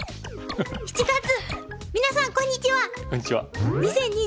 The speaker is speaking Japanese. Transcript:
７月皆さんこんにちは。